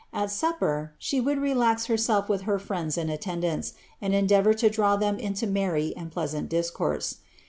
At supper, she would relax herself with her friends and attendants, and endeavour to draw them into merry and pleasant discourse.